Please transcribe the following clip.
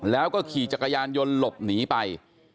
แล้วก็ขี่จักรยานยนต์หลบหนีไป